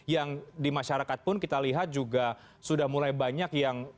yang di masyarakat pun kita lihat juga sudah mulai banyak yang